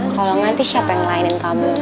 kalau gak sih siapa yang ngelainin kamu